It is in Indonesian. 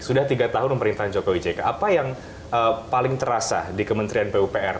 sudah tiga tahun pemerintahan jokowi jk apa yang paling terasa di kementerian pupr